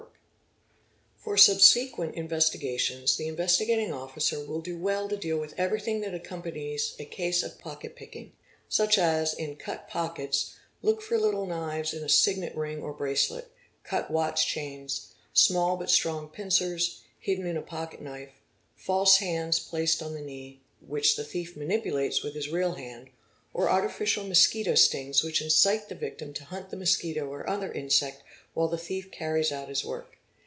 7 Fi POCKET PICKING _ 747 For subsequent investigations the Investigating Officer will do well to deal with everything that accompanies a case of pocket picking: such as ; in cut pockets, look for little knives in a signet ring or bracelet: cut watchchains, small but strong pincers, hidden in a pocket knife; false hands placed on the knee, which the thief manipulates with his real hand ; or artificial mosquito stings which incite the victim to hunt the mosquito or other insect while the thief carries out his work.